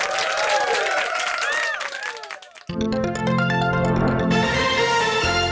โปรดติดตามตอนต่อไป